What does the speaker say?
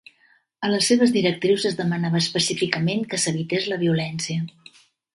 A les seves directrius es demanava específicament que s'evités la violència.